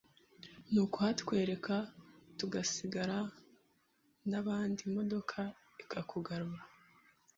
Ni ukuhatwereka tugasigarana nabandi imodoka ikakugarura.